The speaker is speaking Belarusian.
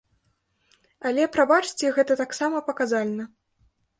Але, прабачце, гэта таксама паказальна.